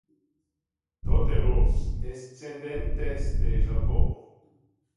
Tote vos, descendentes de Jacobo.